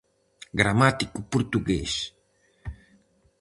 Gramático portugués.